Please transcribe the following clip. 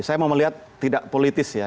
saya mau melihat tidak politis ya